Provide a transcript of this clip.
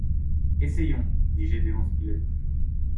Essayons, dit Gédéon Spilett